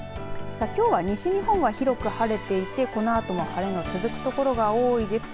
きょうは西日本は広く晴れていてこのあとも晴れが続く所が多いです。